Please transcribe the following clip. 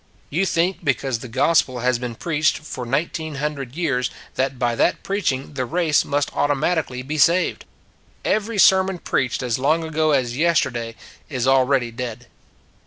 You think because the Gospel has been preached for 1,900 years that by that preaching the race must automatically be saved. Every sermon preached as long ago as yesterday is already dead.